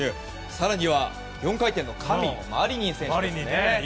更に、４回転の神マリニン選手も。